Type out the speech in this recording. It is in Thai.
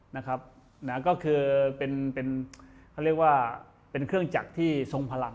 นั่นคือเขาเรียกว่าเป็นเครื่องจักรที่ทรงพลัง